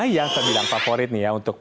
yang terbilang favorit nih ya untuk